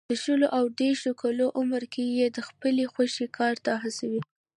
د شلو او دېرشو کالو عمر کې یې د خپلې خوښې کار ته هڅوي.